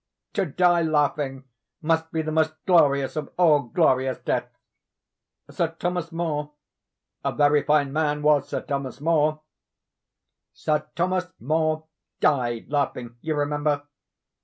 To die laughing, must be the most glorious of all glorious deaths! Sir Thomas More—a very fine man was Sir Thomas More—Sir Thomas More died laughing, you remember.